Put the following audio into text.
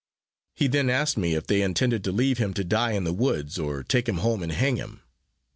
He then asked me if they intended to leave him to die in the woods, or to take him home and hang him.